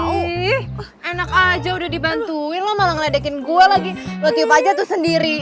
wih enak aja udah dibantuin lo malah ngeledekin gue lagi ngekip aja tuh sendiri